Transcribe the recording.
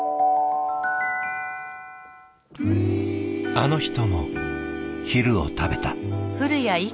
あの人も昼を食べた。